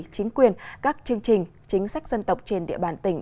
chính quyền các chương trình chính sách dân tộc trên địa bàn tỉnh